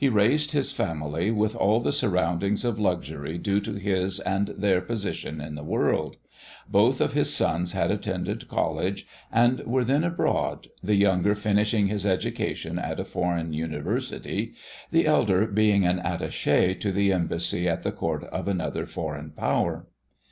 He raised his family with all the surroundings of luxury due to his and their position in the world; both of his sons had attended college and were then abroad the younger finishing his education at a foreign university; the elder being an attaché to the embassy at the court of another foreign power.